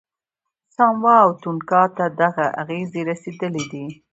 ساموا او تونګا ته دغه اغېزې رسېدلې دي.